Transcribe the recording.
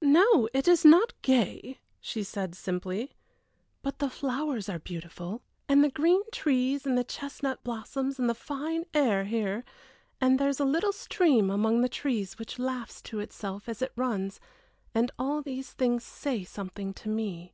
"No, it is not gay," she said, simply. "But the flowers are beautiful, and the green trees and the chestnut blossoms and the fine air here, and there is a little stream among the trees which laughs to itself as it runs, and all these things say something to me."